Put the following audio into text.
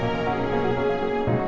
aku mau ke rumah sakit